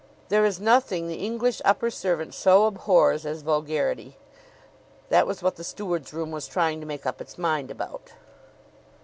There is nothing the English upper servant so abhors as vulgarity. That was what the steward's room was trying to make up its mind about.